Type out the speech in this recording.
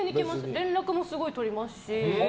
連絡もすごい取りますし。